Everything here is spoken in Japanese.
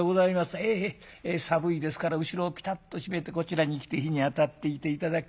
へえへえ寒いですから後ろをピタッと閉めてこちらに来て火にあたっていて頂く。